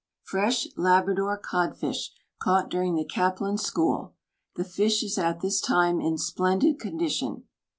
:— Fresh Labrador Cod fish caught during the Caplin school. The fish is at this time in splendid condition.